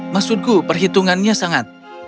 maksudku perhitungannya sangat